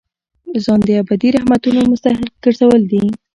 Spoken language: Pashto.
ځان د ابدي رحمتونو مستحق ګرځول دي.